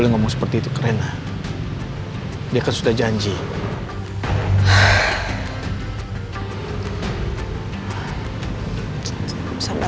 siapa denny stiano